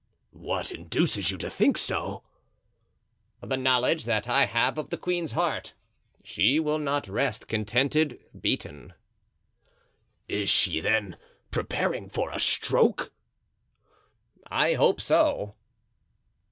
"What induces you to think so?" "The knowledge that I have of the queen's heart; she will not rest contented beaten." "Is she, then, preparing for a stroke?" "I hope so."